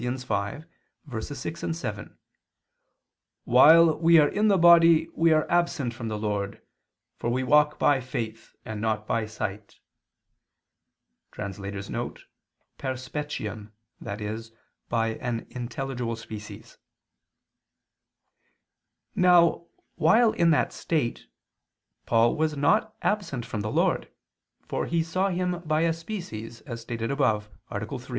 5:6, 7): "While we are in the body we are absent from the Lord. For we walk by faith, and not by sight" [*_Per speciem,_ i.e. by an intelligible species]. Now, while in that state, Paul was not absent from the Lord, for he saw Him by a species, as stated above (A. 3).